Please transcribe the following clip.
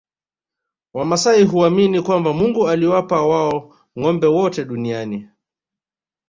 Wamasai huamini kwamba Mungu aliwapa wao ngombe wote duniani